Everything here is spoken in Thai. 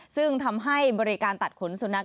ซึ่งทำให้บริการตัดขนสุนัข